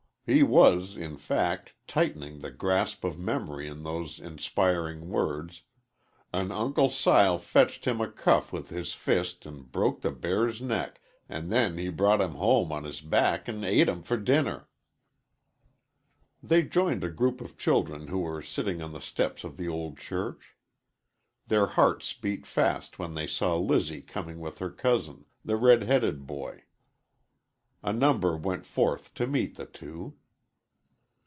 He was, in fact, tightening the grasp of memory on those inspiring words: "an' Uncle Sile fetched him a cuff with his fist an' broke the bear's neck, an' then he brought him home on his back an' et him for dinner." They joined a group of children who were sitting on the steps of the old church. Their hearts beat fast when they saw Lizzie coming with her cousin, the red headed boy. A number went forth to meet the two.